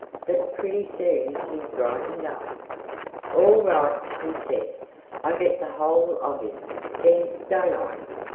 But pretty soon he brightened up. "All right!" he said. "I get the whole of him, then don't I?"